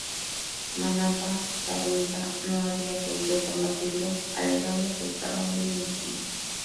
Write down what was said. Manapa-Tarhunta no había podido combatirlo, alegando que estaba muy enfermo.